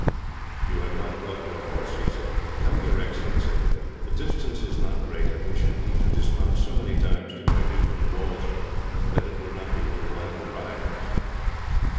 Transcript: "You have not brought your horse," he said. "No, your Excellency. The distance is not great, and we should need to dismount so many times, to get a view from the walls, that it would not be worthwhile to ride."